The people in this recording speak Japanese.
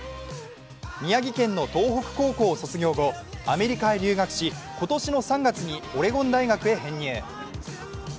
宮城県の東北高校を卒業後、アメリカへ留学し、今年の３月にオレゴン大学へ編入。